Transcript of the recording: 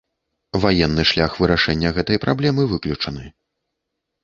Ваенны шлях вырашэння гэтай праблемы выключаны.